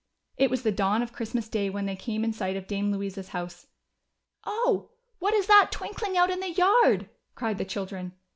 It was the dawn of Christmas day when they came in sight of Dame Louisa's house. "Oh! what is that twinkling out in the yard?" cried the children.